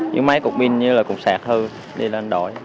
với máy cục pin với cục sạc hư đi lên đổi